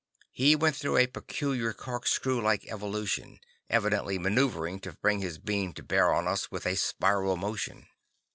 He went through a peculiar corkscrew like evolution, evidently maneuvering to bring his beam to bear on us with a spiral motion.